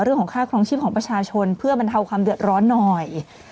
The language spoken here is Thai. เรื่องของค่าครองชีพของประชาชนเพื่อบรรเทาความเดือดร้อนหน่อย